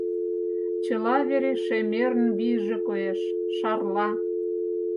Чыла вере шемерын вийже коеш, шарла...